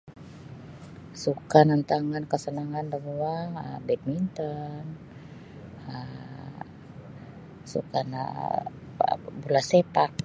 Sukan antangan kasanangan da guang um bidminton um sukan um bula sepak.